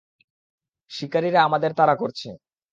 শিকারীরা আমাদের তাড়া করছে!